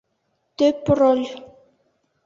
Төп роль!